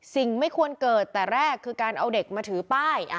ไม่ควรเกิดแต่แรกคือการเอาเด็กมาถือป้าย